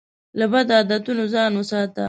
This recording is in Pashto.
له بدو عادتونو ځان وساته.